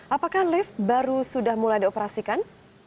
apakah lift baru sudah mulai dioperasikan